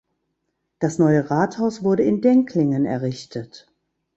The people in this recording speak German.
Das neue Rathaus wurde in Denklingen errichtet.